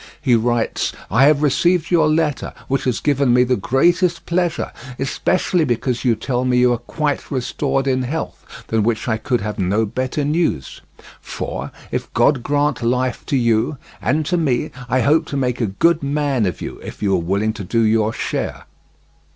He writes: "I have received your letter, which has given me the greatest pleasure, especially because you tell me you are quite restored in health, than which I could have no better news; for if God grant life to you, and to me, I hope to make a good man of you if you are willing to do your share."